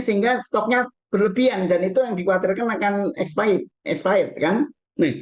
sehingga stoknya berlebihan dan itu yang dikuatirkan akan expired